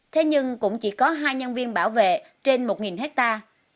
thế nhưng cũng chỉ có hai nhân viên bảo vệ trên một hectare